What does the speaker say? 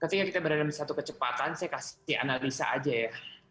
ketika kita berada dalam satu kecepatan saya kasih analisa aja ya